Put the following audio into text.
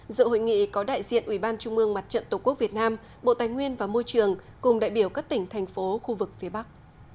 dự hội nghị có đại diện ubnd tổ quốc việt nam bộ tài nguyên và môi trường cùng đại biểu các tỉnh thành phố khu vực phía bắc